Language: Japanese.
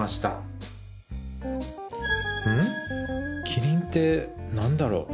「キリン」って何だろう？